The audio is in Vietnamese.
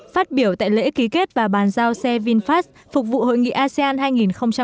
phát biểu tại lễ ký kết và bàn giao xe vinfast phục vụ hội nghị asean hai nghìn hai mươi